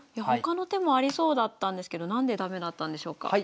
他の手もありそうだったんですけど何で駄目だったんでしょうか？